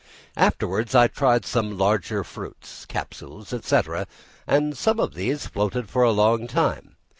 Afterwards I tried some larger fruits, capsules, &c., and some of these floated for a long time.